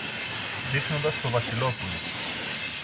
δείχνοντας το Βασιλόπουλο.